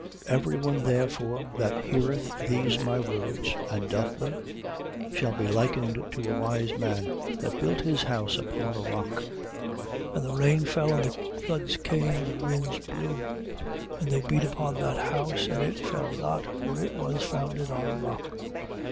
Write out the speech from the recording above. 7:24. Every one therefore that heareth these my words, and doth them, shall be likened to a wise man that built his house upon a rock, 7:25. And the rain fell, and the floods came, and the winds blew, and they beat upon that house, and it fell not, for it was founded on a rock.